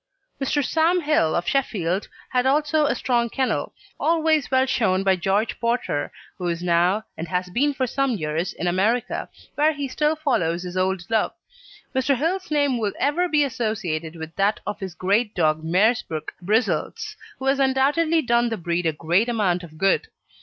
Mr. Sam Hill, of Sheffield, had also a strong kennel, always well shown by George Porter, who is now, and has been for some years, in America, where he still follows his old love. Mr. Hill's name will ever be associated with that of his great dog Meersbrook Bristles, who has undoubtedly done the breed a great amount of good.